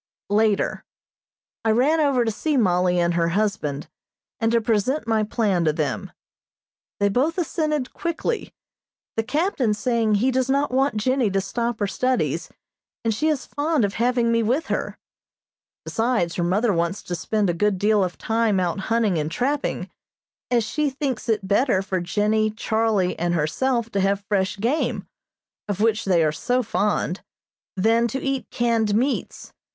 Later: I ran over to see Mollie and her husband, and to present my plan to them. They both assented quickly, the Captain saying he does not want Jennie to stop her studies, and she is fond of having me with her. Besides, her mother wants to spend a good deal of time out hunting and trapping, as she thinks it better for Jennie, Charlie and herself to have fresh game, of which they are so fond, than to eat canned meats.